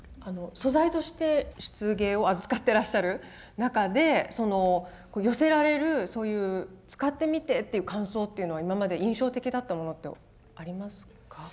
素材として漆芸を扱ってらっしゃる中で寄せられるそういう使ってみてっていう感想っていうのは今まで印象的だったものってありますか？